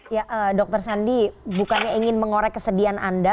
ya dokter sandi bukannya ingin mengorek kesedihan anda